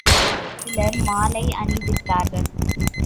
சிலர் மாலை அணி வித்தார்கள்.